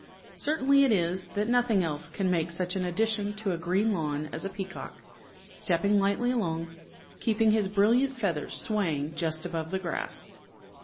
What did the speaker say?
Certain it is, that nothing else can make such an addition to a green lawn as a peacock, stepping lightly along, keeping his brilliant feathers swaying just above the grass.